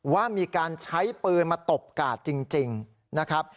ว่ามีการใช้ปืนมาตบกาดจริงนะครับ